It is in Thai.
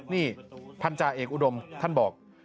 นี่พันธาเอกอุดมท่านบอก